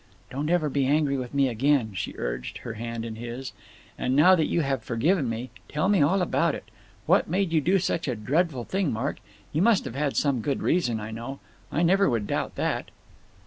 "Don't ever be angry with me again," she urged, her hands in his. "And now that you have forgiven me, tell me all about it. What made you do such a dreadful thing, Mark? You must have had some good reason, I know. I never would doubt that."